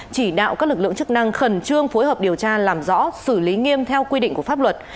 chỉ đạo các lực lượng chức năng khẩn trương phối hợp điều tra làm rõ xử lý nghiêm theo quy định của pháp luật